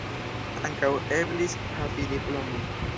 Ankaŭ eblis havi diplomon.